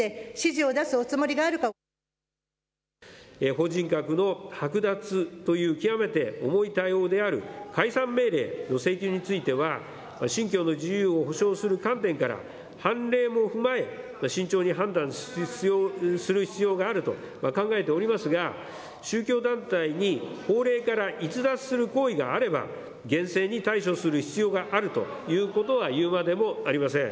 法人格の剥奪という極めて重い対応である解散命令の請求については信教の自由を保障する観点から判例も踏まえ慎重に判断する必要があると考えておりますが宗教団体に法令から逸脱する行為があれば厳正に対処する必要があるということは言うまでもありません。